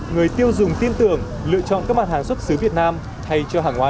người tiêu dùng tin tưởng lựa chọn các mặt hàng xuất xứ việt nam thay cho hàng hóa